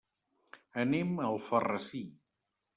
Anem a Alfarrasí.